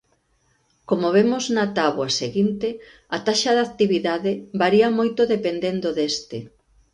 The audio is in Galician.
Como vemos na táboa seguinte, a taxa de actividade varía moito dependendo deste.